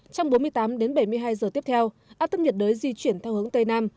trong bốn mươi tám đến bảy mươi hai giờ tiếp theo áp thấp nhiệt đới di chuyển theo hướng tây nam